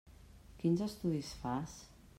Quins estudis fas?